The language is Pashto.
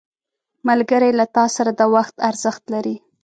ملګری له تا سره د وخت ارزښت لري